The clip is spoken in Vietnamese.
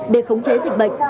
để khống chế dịch bệnh